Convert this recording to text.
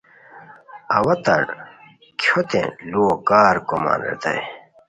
اوا تہ کھیوتین لوؤ کارکومان ریتائے